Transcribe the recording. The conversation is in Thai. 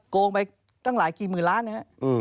โกงไปตั้งหลายกี่หมื่นล้านนะครับ